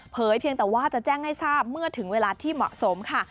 เพียงแต่ว่าจะแจ้งให้ทราบเมื่อถึงเวลาที่เหมาะสมค่ะ